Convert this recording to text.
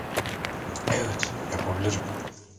Evet, yapabilirim.